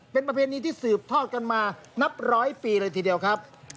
เป็นประเพณีที่สืบทอดกันมานับร้อยปีเลยทีเดียวครับ